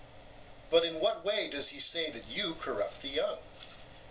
But in what way does he say that you corrupt the young?